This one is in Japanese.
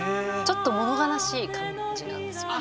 ちょっと物悲しい感じなんです。